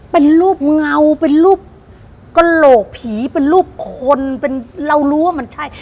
เป็นรูปเงาเป็นรูปกระโหลกผีเป็นรูปคนเป็นเรารู้ว่ามันใช่